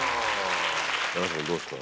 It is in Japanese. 山下君どうですか？